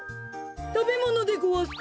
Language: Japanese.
たべものでごわすか？